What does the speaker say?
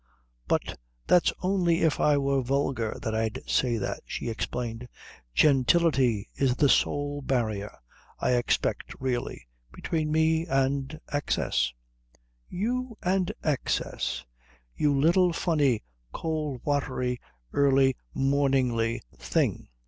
"But that's only if I were vulgar that I'd say that," she explained. "Gentility is the sole barrier, I expect really, between me and excess." "You and excess! You little funny, cold watery, early morningy thing.